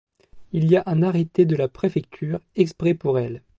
Il y a un arrêté de la préfecture exprès pour elles.